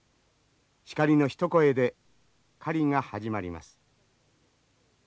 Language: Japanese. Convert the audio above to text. シカリの一声で狩りが始まります。